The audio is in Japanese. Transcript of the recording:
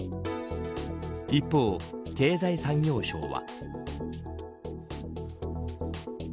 一方、経済産業省は。